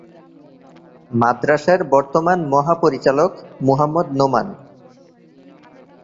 মাদ্রাসার বর্তমান মহাপরিচালক মুহাম্মদ নোমান।